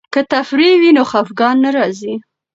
که تفریح وي نو خفګان نه راځي.